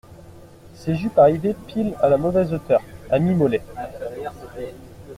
Ses jupes arrivaient pile à la mauvaise hauteur, à mi-mollet